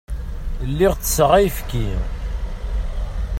Lliɣ tesseɣ ayefki.